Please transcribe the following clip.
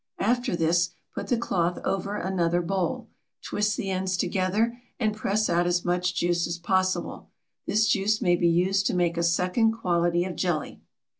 After this put the cloth over another bowl. Twist the ends together and press out as much juice as possible. This juice may be used to make a second quality of jelly.